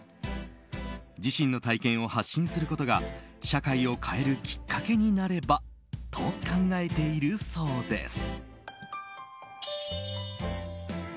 自身の体験を発信することが社会を変えるきっかけになればと考えているそうです。